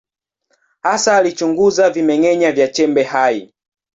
Hasa alichunguza vimeng’enya vya chembe hai.